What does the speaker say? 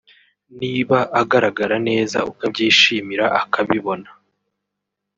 niba agaragara neza ukabyishimira akabibona